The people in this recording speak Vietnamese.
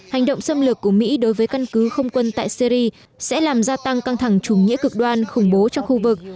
hành động xâm lược của mỹ đối với căn cứ không quân tại syri sẽ làm gia tăng căng thẳng chủ nghĩa cực đoan khủng bố cho khu vực